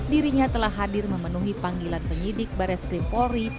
dirinya telah hadir memenuhi panggilan penyidik barres krimpori